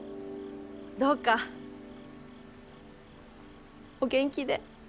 どうか、お元気で。